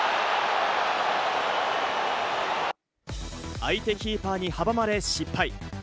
相手キーパーに阻まれ失敗。